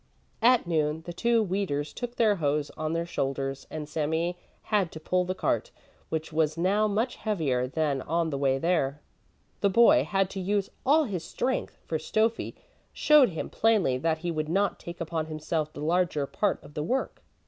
At noon the two weeders took their hoes on their shoulders and Sami had to pull the cart, which was now much heavier than on the way there. The boy had to use all his strength, for Stöffi showed him plainly that he would not take upon himself the larger part of the work.